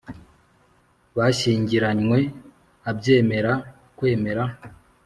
bashyingiranywe abyemera Kwemera